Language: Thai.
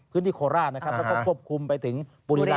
พื้นที่โคลาแล้วก็ควบคุมไปถึงปุริรัพย์